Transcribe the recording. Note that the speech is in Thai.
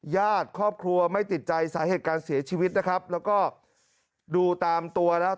ญาติครอบครัวไม่ติดใจสาเหตุการเสียชีวิตนะครับแล้วก็ดูตามตัวแล้ว